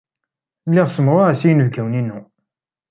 Lliɣ ssemɣareɣ s yinebgawen-inu.